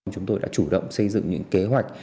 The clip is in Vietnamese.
chúng tôi đã chủ động xây dựng những kế hoạch